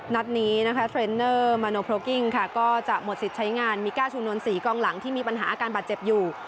นัดนี้นะคะเทรนเนอร์มาโนโพลกิ้งค่ะก็จะหมดสิทธิ์ใช้งานมีก้าชูนวล๔กองหลังที่มีปัญหาอาการบาดเจ็บอยู่